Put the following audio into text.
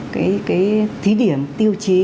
cái thí điểm tiêu chí